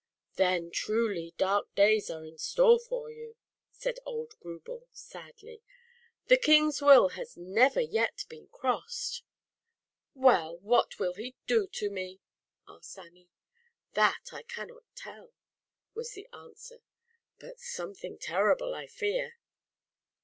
"Then, truly, dark days are in store for you," said old Grubel, sadly. "The King's will has never yet been crossed. ZAUBERLINDA, THE WISE WITCH. 175 "Well, what will he do to me?" asked Annie. "That, I can not tell," was the an swer, "but something terrible, I fear."